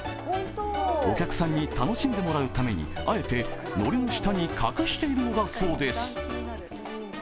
お客さんに楽しんでもらうためにあえてのりの下に隠しているんだそうです。